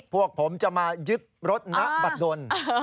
พวกผมจะมายึดรถณบัตรดน